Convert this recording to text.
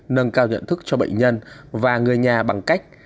nâng cao nhận thức cho bệnh nhân và người nhà bằng cách